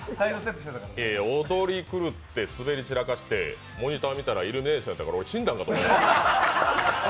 踊り狂って滑り散らかしてモニターみたらイルミネーションやから俺死んだんかと思った。